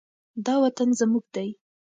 دا وطن زموږ دی.